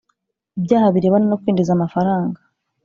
Ibyaha birebana no kwinjiza amafaranga